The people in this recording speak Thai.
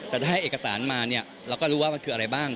แต่ถ้าให้เอกสารมาเนี่ยเราก็รู้ว่ามันคืออะไรบ้าง